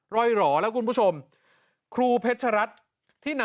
รอยหรอแล้วกูพูดคุณผู้ชม